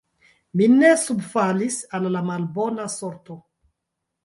Mi ne subfalis al la malbona sorto!